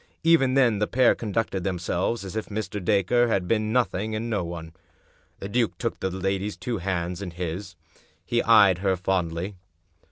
Even then the pair conducted themselves as if Mr. Dacre had been nothing and no one. The duke took the lady's two hands in his. He eyed her fondly.